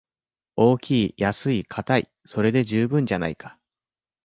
大きい安いかたい、それで十分じゃないか